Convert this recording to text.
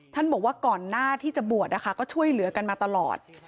บอกว่าก่อนหน้าที่จะบวชนะคะก็ช่วยเหลือกันมาตลอด